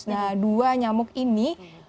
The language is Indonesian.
nah dua nyamuk ini